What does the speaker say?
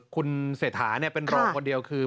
คุณเศรษฐาเป็นรองคนเดียวคือ